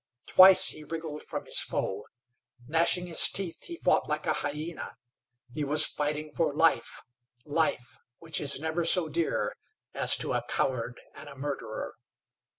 Twice he wriggled from his foe. Gnashing his teeth, he fought like a hyena. He was fighting for life life, which is never so dear as to a coward and a murderer.